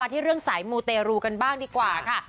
ที่เรื่องสายมูเตรูกันบ้างดีกว่าค่ะ